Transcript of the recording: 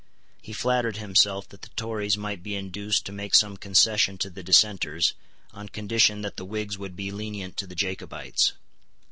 He flattered himself that the Tories might be induced to make some concession to the dissenters, on condition that the Whigs would be lenient to the Jacobites.